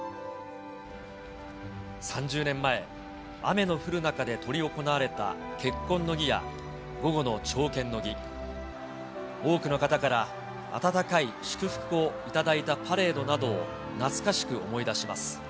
３０年前、雨の降る中で執り行われた結婚の儀や午後の朝見の儀、多くの方から温かい祝福をいただいたパレードなどを懐かしく思い